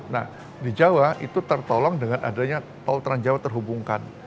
nah di jawa itu tertolong dengan adanya tol trans jawa terhubungkan